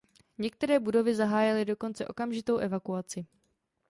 Některé budovy zahájily dokonce okamžitou evakuaci.